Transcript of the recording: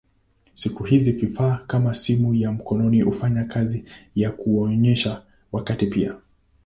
Siku hizi vifaa kama simu ya mkononi hufanya kazi ya kuonyesha wakati pia.